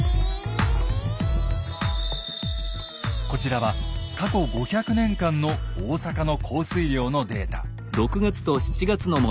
こちらは過去５００年間の大阪の降水量のデータ。